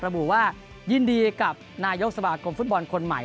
ระบุว่ายินดีกับนายกสมาคมฟุตบอลคนใหม่